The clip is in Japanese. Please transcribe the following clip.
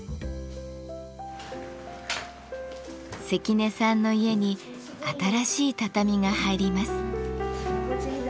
関根さんの家に新しい畳が入ります。